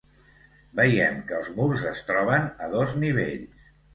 Veiem que els murs es troben a dos nivells.